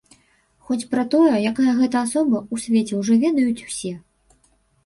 Хоць пра тое, якая гэта асоба, у свеце ўжо ведаюць усе.